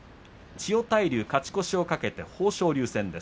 千代大龍は勝ち越しを懸けて豊昇龍戦。